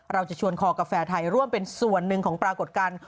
เราจะชวนคอกาแฟไทยร่วมเป็นส่วนหนึ่งของปรากฏการณ์